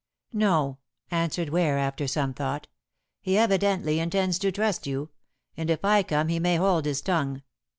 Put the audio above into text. "No," answered Ware after some thought, "he evidently intends to trust you, and if I come he may hold his tongue.